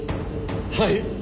はい。